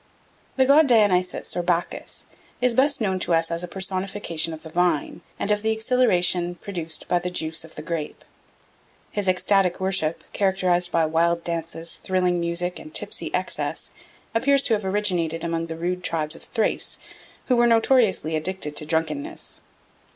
The god Dionysus or Bacchus is best known to us as a personification of the vine and of the exhilaration produced by the juice of the grape. His ecstatic worship, characterised by wild dances, thrilling music, and tipsy excess, appears to have originated among the rude tribes of Thrace, who were notoriously addicted to drunkenness.